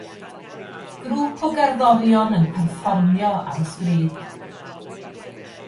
Grŵp o gerddorion yn perfformio ar y stryd